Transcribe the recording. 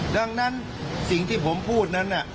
ดังนั้นสิ่งที่ผมพูดนั้น